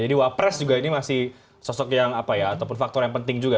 jadi wabres juga ini masih sosok yang apa ya ataupun faktor yang penting juga